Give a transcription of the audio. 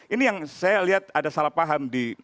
ini yang saya lihat ada salah paham di